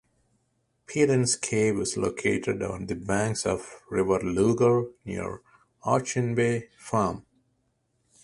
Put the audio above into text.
Peden's Cave is located on the banks of the River Lugar near Auchinbay Farm.